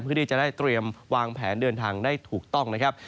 เพื่อที่จะได้เตรียมวางแผนเดินทางได้ถูกต้องนะครับ